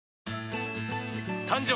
誕生！